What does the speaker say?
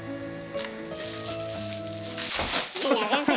いや先生。